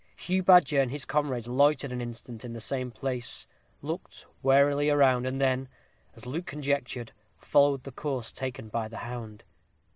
Hugh Badger and his comrades loitered an instant at the same place, looked warily round, and then, as Luke conjectured, followed the course taken by the hound.